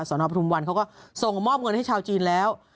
สพบคเขาก็ส่งมอบเงินให้ชาวจีนแล้ว